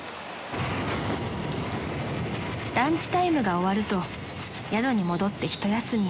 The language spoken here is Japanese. ［ランチタイムが終わると宿に戻ってひと休み］